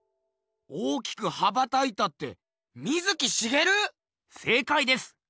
大きく羽ばたいたって水木しげる⁉せいかいです！